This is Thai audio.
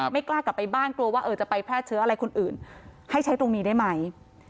กล้ากลับไปบ้านกลัวว่าจะไปแพร่เชื้ออะไรคนอื่นให้ใช้ตรงนี้ได้ไหม